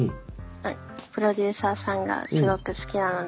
プロデューサーさんがすごく好きなので。